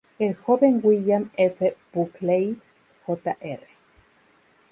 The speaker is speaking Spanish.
El joven William F. Buckley, Jr.